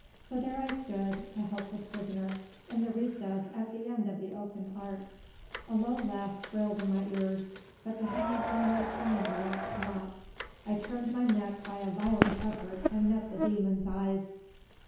So there I stood, a helpless prisoner, in the recess at the end of the oaken ark. A low laugh thrilled in my ears, but the hand on my spine relaxed not; I turned my neck by a violent effort and met the demon's eyes.